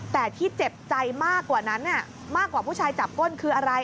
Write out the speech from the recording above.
แต่ที่เจ็บใจมากกว่านั้นมากกว่าผู้ชายจับก้นคืออะไร